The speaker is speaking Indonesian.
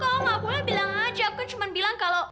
kalau gak boleh bilang aja aku kan cuma bilang kalau